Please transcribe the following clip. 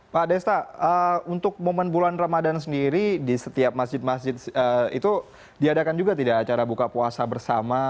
pak desta untuk momen bulan ramadhan sendiri di setiap masjid masjid itu diadakan juga tidak acara buka puasa bersama